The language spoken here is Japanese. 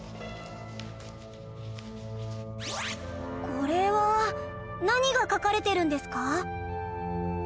これは何が書かれてるんですか？